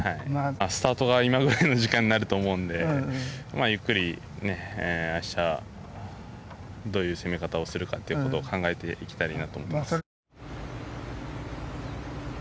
スタートが今ぐらいの時間になると思うのでゆっくり明日どういう攻め方をするかを考えていきたいなと思います。